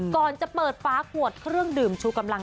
ก่อนจะเปิดฟ้าขวดเครื่องดื่มชูกำลัง